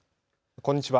こんにちは。